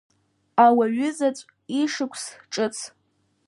Ауаҩызаҵә ишықәс ҿыц.